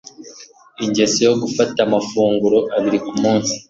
Ingeso yo gufata amafunguro abiri ku munsi